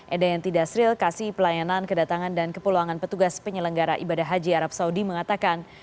eda yang tidak sril kasih pelayanan kedatangan dan kepulangan petugas penyelenggara ibadah haji arab saudi mengatakan